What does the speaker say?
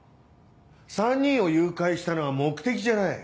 ３人を誘拐したのは目的じゃない。